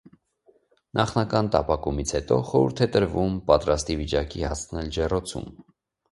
Նախնական տապակումից հետո՝ խորհուրդ է տրվում պատրաստի վիճակի հասցնել ջեռոցում։